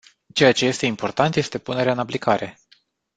Ceea ce este important este punerea în aplicare.